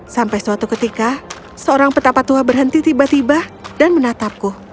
sampai suatu ketika seorang petapa tua berhenti tiba tiba dan menatapku